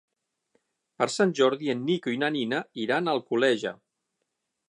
Per Sant Jordi en Nico i na Nina iran a Alcoleja.